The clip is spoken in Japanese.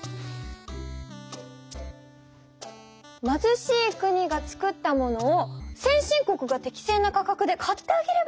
まずしい国がつくったものを先進国が適正な価格で買ってあげればいいんじゃない？